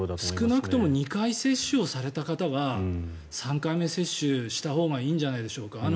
少なくとも２回接種をされた方は３回目接種したほうがいいんじゃないでしょうか。